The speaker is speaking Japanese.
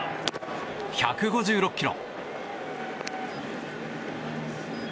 １５６キロ。